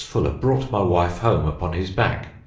Fuller brought my wife home upon his back.